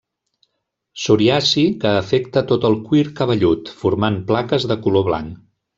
Psoriasi que afecta tot el cuir cabellut, formant plaques de color blanc.